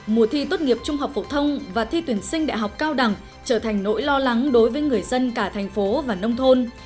mùa thi tốt nghiệp trung học phổ thông và thi tuyển sinh đại học cao đẳng trở thành nỗi lo lắng đối với người dân cả thành phố và nông thôn